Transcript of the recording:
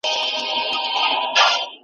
ویلای سم چي، د دې نویو شعرونو او ایجاداتو ,